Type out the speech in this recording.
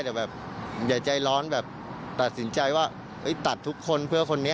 แต่แบบอย่าใจร้อนแบบตัดสินใจว่าตัดทุกคนเพื่อคนนี้